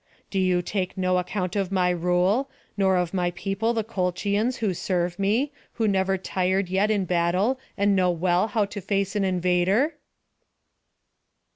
Do you take no account of my rule, nor of my people the Colchians who serve me, who never tired yet in the battle, and know well how to face an invader?"